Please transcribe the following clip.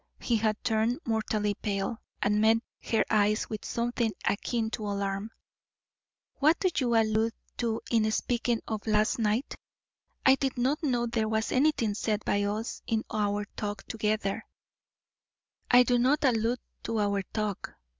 He had turned mortally pale, and met her eyes with something akin to alarm. "What do you allude to in speaking of last night? I did not know there was anything said by us in our talk together " "I do not allude to our talk."